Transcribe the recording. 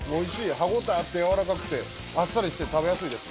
歯応えあってやわらかくてあっさりして食べやすいです。